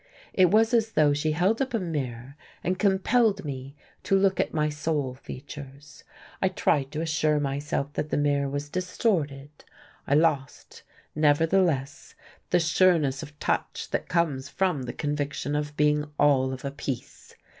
It was as though she held up a mirror and compelled me to look at my soul features. I tried to assure myself that the mirror was distorted. I lost, nevertheless, the sureness of touch that comes from the conviction of being all of a piece.